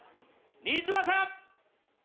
新妻さん。